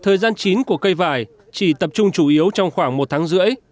thời gian chín của cây vải chỉ tập trung chủ yếu trong khoảng một tháng rưỡi